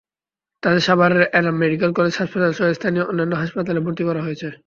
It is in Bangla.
তাঁদের সাভারের এনাম মেডিকেল কলেজ হাসপাতালসহ স্থানীয় অন্যান্য হাসপাতালে ভর্তি করা হয়েছে।